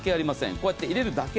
こうやって入れるだけ。